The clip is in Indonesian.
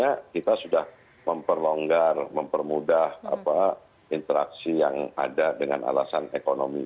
karena kita sudah memperlonggar mempermudah interaksi yang ada dengan alasan ekonomi